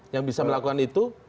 yang bisa melakukan itu